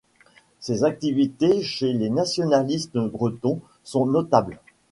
Ses activités chez les nationalistes bretons sont notables.